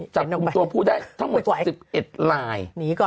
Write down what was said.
จับกลุ่มตัวผู้ได้ทั้งหมด๑๑ลาย